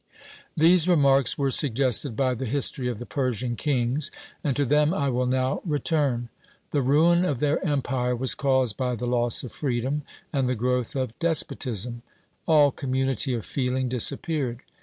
These remarks were suggested by the history of the Persian kings; and to them I will now return. The ruin of their empire was caused by the loss of freedom and the growth of despotism; all community of feeling disappeared.